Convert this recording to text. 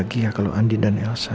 sexplain jurus berita